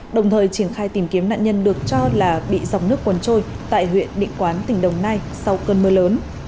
đồng thời triển khai tìm kiếm nạn nhân được cho là bị dòng nước cuốn trôi tại huyện định quán tỉnh đồng nai sau cơn mưa lớn